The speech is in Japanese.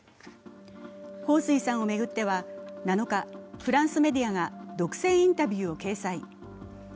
彭帥さんを巡っては７日、フランスメディアが独占インタビューを掲載。